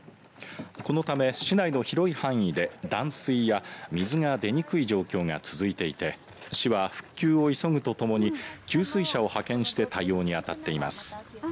このため市内の広い範囲で断水や水が出にくい状況が続いていて市は復旧を急ぐとともに給水車を派遣して対応に当たっています。